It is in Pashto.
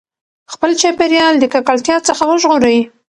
خپل چاپېریال د ککړتیا څخه وژغورئ.